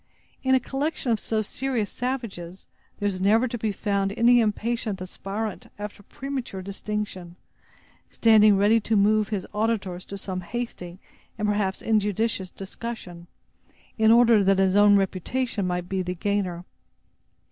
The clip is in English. In a collection of so serious savages, there is never to be found any impatient aspirant after premature distinction, standing ready to move his auditors to some hasty, and, perhaps, injudicious discussion, in order that his own reputation may be the gainer.